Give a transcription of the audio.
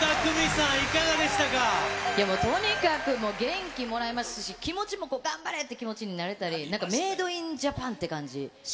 いや、もうとにかく元気もらえましたし、気持ちも、頑張れっていう気持ちになれたり、なんかメイド・イン・ジャパンって感じ。